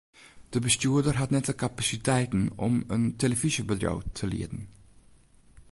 De bestjoerder hat net de kapasiteiten om in telefyzjebedriuw te lieden.